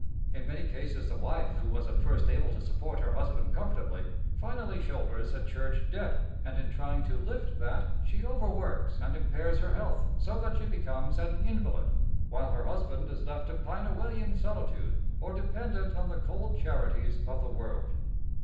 In many cases the wife who was at first able to support her husband comfortably, finally shoulders a church debt, and in trying to lift that she overworks and impairs her health so that she becomes an invalid, while hor husband is left to pine away in solitude or dependent on the cold charities of the world.